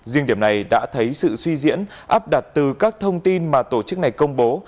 riêng điểm này đã thấy sự suy diễn áp đặt từ các thông tin mà tổ chức này công bố